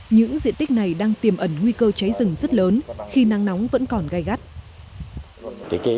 những diện tích này đang tiềm ẩn nguy cơ cháy rừng rất lớn khi nắng nóng vẫn còn gai gắt